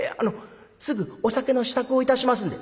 すぐお酒の支度をいたしますんで」。